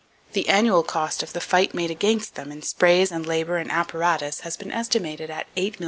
The annual cost of the fight made against them, in sprays and labor and apparatus, has been estimated at $8,250,000.